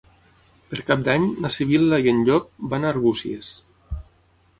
Per Cap d'Any na Sibil·la i en Llop van a Arbúcies.